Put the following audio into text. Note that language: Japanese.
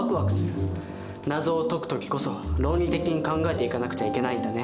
謎を解く時こそ論理的に考えていかなくちゃいけないんだね。